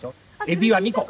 エビは２個。